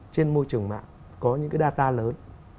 trên môi trường mạng có những cái data lớn